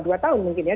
dua tahun mungkin ya